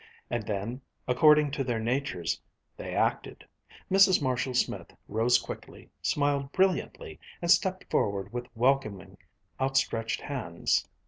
And then, according to their natures, they acted. Mrs. Marshall Smith rose quickly, smiled brilliantly, and stepped forward with welcoming outstretched hands.